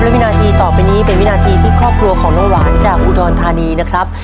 และวินาทีต่อไปนี้เป็นวินาทีที่ครอบครัวของน้องหวานจากอุดรธานีนะครับ